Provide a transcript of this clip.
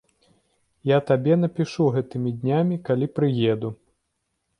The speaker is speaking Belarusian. Я табе напішу гэтымі днямі, калі прыеду.